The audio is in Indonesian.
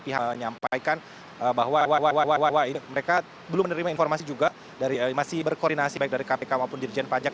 pihak menyampaikan bahwa mereka belum menerima informasi juga dari masih berkoordinasi baik dari kpk maupun dirjen pajak